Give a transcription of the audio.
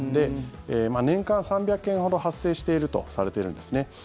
年間３００件ほど発生しているとされているんですね。